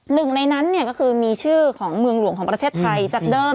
หนึ่งในนั้นก็คือมีชื่อของเมืองหลวงของประเทศไทยจากเดิม